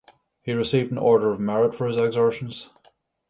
He received an Order of Merit for his exertions.